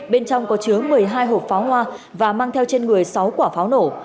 bên trong có chứa một mươi hai hộp pháo hoa và mang theo trên người sáu quả pháo nổ